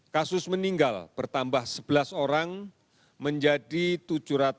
kasus meninggal bertambah sebelas orang menjadi tujuh ratus delapan puluh empat orang